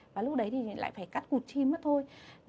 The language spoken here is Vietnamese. và lúc đấy thì lại phải cắt cụt chim mất thôi